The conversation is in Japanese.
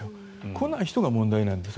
来ない人が問題なんです。